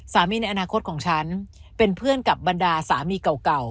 ในอนาคตของฉันเป็นเพื่อนกับบรรดาสามีเก่า